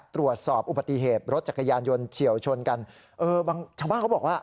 ตรวจสอบอุบัติเหตุรถจักรยานยนต์เฉียวชนกันเออบางชาวบ้านเขาบอกว่า